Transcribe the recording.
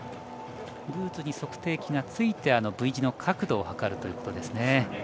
ブーツに測定器がついてＶ字の角度を測るということですね。